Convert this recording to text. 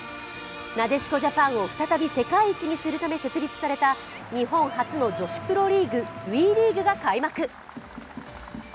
なでしこジャパンを再び世界一にするため設立された日本初の女子プロリーグＷＥリーグが開幕。